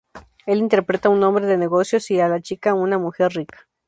Él interpreta a un hombre de negocios y la chica a una mujer rica.